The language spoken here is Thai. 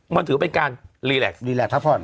มันถือว่าเป็นการรีแล็กซ์